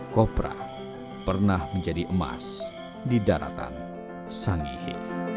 kopra pernah menjadi emas di daratan sangihe